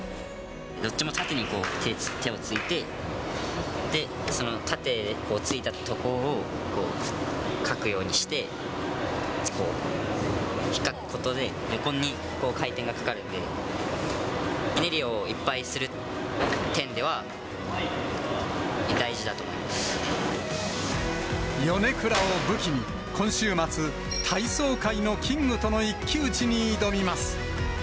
どっちも縦に手をついて、その縦についたところをかくようにして、ひっかくことで横に回転がかかるんで、ひねりをいっぱいする点でヨネクラを武器に、今週末、体操界のキングとの一騎打ちに挑みます。